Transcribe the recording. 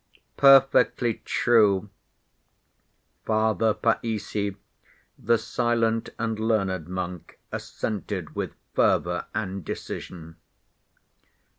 "Perfectly true," Father Païssy, the silent and learned monk, assented with fervor and decision.